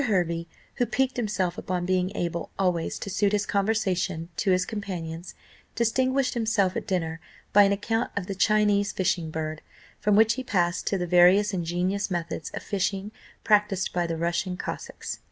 Hervey, who piqued himself upon being able always to suit his conversation to his companions, distinguished himself at dinner by an account of the Chinese fishing bird, from which he passed to the various ingenious methods of fishing practised by the Russian Cossacks.